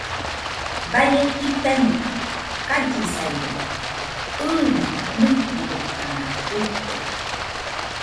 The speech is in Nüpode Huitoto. Baie jitaiño kallisairo, ɨima nɨkɨdokanauite